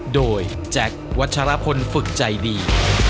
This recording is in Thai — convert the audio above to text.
โดยแจ็ควัชรพลฝึกใจดี